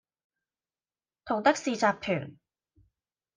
同得仕（集團）